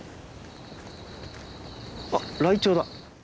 あっライチョウだ！